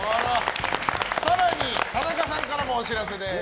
田中さんからもお知らせです。